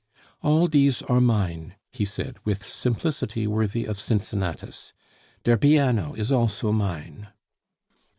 "All dese are mine," he said, with simplicity worthy of Cincinnatus. "Der biano is also mine."